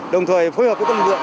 đồng thời phối hợp với các lực lượng